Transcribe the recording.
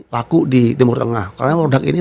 laku di timur tengah karena produk ini